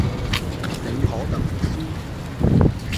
你可能唔知